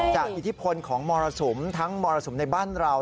อิทธิพลของมรสุมทั้งมรสุมในบ้านเรา